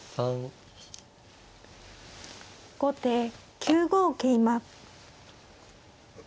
後手９五桂馬。